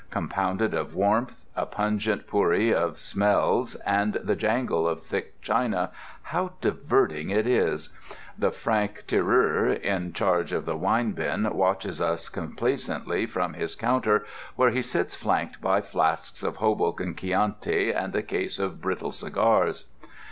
Compounded of warmth, a pungent pourri of smells, and the jangle of thick china, how diverting it is! The franc tireur in charge of the wine bin watches us complaisantly from his counter where he sits flanked by flasks of Hoboken chianti and a case of brittle cigars.